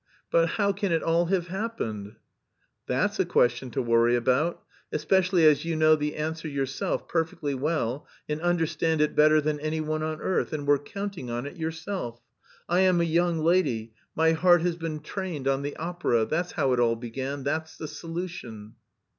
But how can it all have happened?" "That's a question to worry about! Especially as you know the answer yourself perfectly well, and understand it better than anyone on earth, and were counting on it yourself. I am a young lady, my heart has been trained on the opera, that's how it all began, that's the solution."